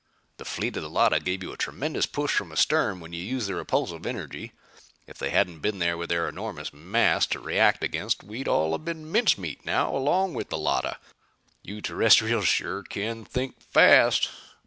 The fleet of the Llotta gave you a tremendous push from astern when you used the repulsive energy. If they hadn't been there with their enormous mass to react against we'd all have been mincemeat now along with the Llotta. You Terrestrials sure can think fast!